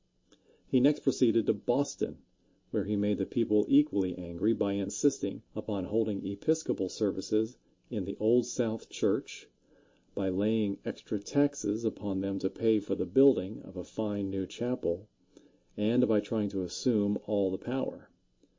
He next proceeded to Boston, where he made the people equally angry by insisting upon holding Episcopal services in the Old South Church, by laying extra taxes upon them to pay for the building of a fine new chapel, and by trying to assume all the power.